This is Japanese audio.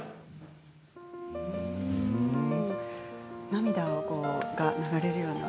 涙が流れるような。